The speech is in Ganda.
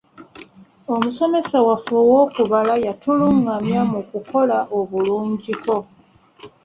Omusomesa waffe ow'okubala yatukulungamya mu kukola obulungiko.